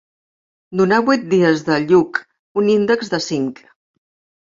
Donar vuit dies de Lluc un índex de cinc.